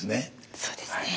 そうですね。